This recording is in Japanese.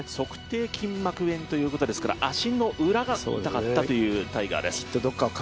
足底筋膜炎ということですから足の裏が痛かったというタイガーです。